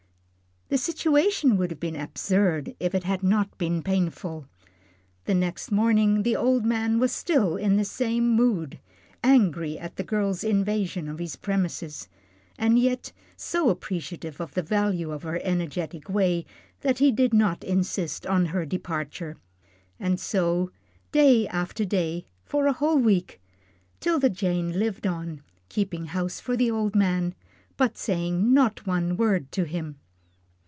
The situation would have been absurd if it had not been painful. The next morning the old man was still in the same mood, angry at the girl's invasion of his premises, and yet so appreciative of the value of her energetic ways that he did not insist on her departure. And so day after day, for a whole week, 'Tilda Jane lived on, keeping house for the old man, but saying not one word to him.